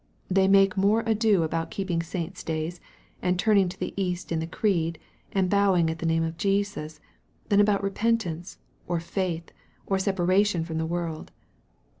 They make more ado about keeping saints' days, and turning to the east in the creed, and bowing at the name of Jesus, than about repentance, or faith, or separation from the world.